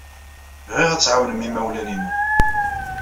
Bɣiɣ ad tɛawnem imawlan-inu.